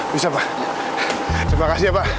bisa pak terima kasih ya pak